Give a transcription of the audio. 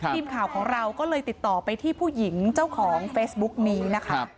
ทีมข่าวของเราก็เลยติดต่อไปที่ผู้หญิงเจ้าของเฟซบุ๊กนี้นะคะ